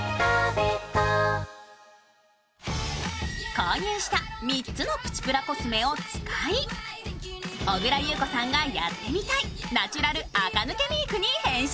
購入した３つのプチプラコスメを使い小倉優子さんがやってみたいナチュラルあか抜けメークに挑戦。